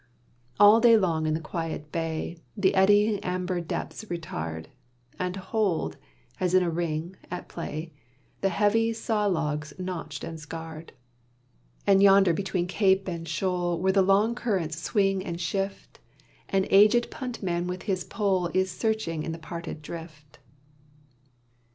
And all day long in the quiet bay The eddying amber depths retard, And hold, as in a ring, at play, The heavy saw logs notched and scarred; And yonder between cape and shoal, Where the long currents swing and shift, An aged punt man with his pole Is searching in the parted drift.